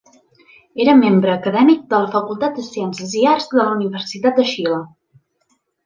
Era membre acadèmic de la Facultat de Ciències i Arts de la Universitat de Xile.